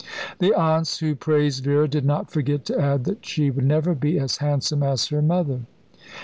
The aunts who praised Vera did not forget to add that she would never be as handsome as her mother.